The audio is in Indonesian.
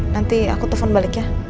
nanti aku telpon balik ya